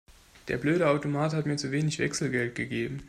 Der blöde Automat hat mir zu wenig Wechselgeld gegeben.